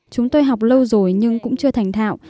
chúng tôi học lâu rồi nhưng cũng chưa thành thạo